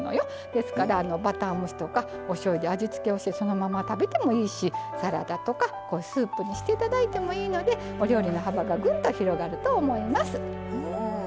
ですからバター蒸しとかおしょうゆで味付けをしてそのまま食べてもいいしサラダとかスープにしていただいてもいいのでお料理の幅がぐんと広がると思います。